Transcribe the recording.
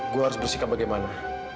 gue harus bersikap bagaimana